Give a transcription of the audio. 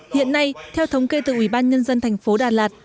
hiện nay theo thống kê từ ủy ban nhân dân tp đà lạt